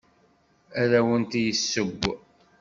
Ad awent-d-yesseww.